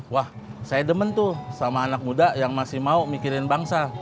wah saya demen tuh sama anak muda yang masih mau mikirin bangsa